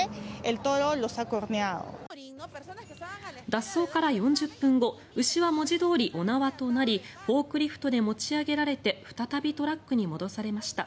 脱走から４０分後牛は文字どおりお縄となりながらもフォークリフトで持ち上げられて再びトラックに戻されました。